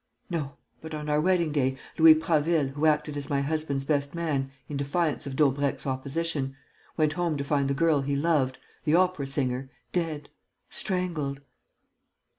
"No, but on our wedding day, Louis Prasville, who acted as my husband's best man in defiance of Daubrecq's opposition, went home to find the girl he loved, the opera singer, dead, strangled...."